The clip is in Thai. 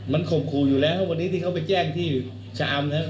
มันข่มขู่อยู่แล้ววันนี้ที่เขาไปแจ้งที่ชะอำนะครับ